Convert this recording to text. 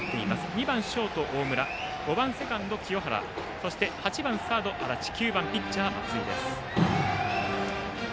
２番ショート、大村５番セカンド、清原そして、８番サード、安達９番ピッチャー、松井です。